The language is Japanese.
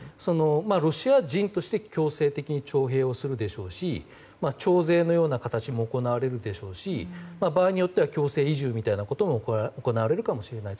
ロシア人として強制的に徴兵をするでしょうし徴税のような形も行われるでしょうし場合によっては強制移住みたいなことも行われるかもしれない。